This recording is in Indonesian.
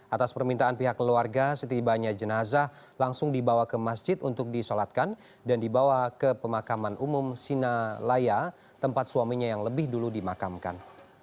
atas permintaan pihak keluarga setibanya jenazah langsung dibawa ke masjid untuk disolatkan dan dibawa ke pemakaman umum sinalaya tempat suaminya yang lebih dulu dimakamkan